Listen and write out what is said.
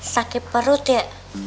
sakit perut ya